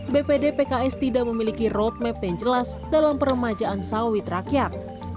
bpd pks tidak memiliki roadmap yang jelas dalam peremajaan sawit rakyat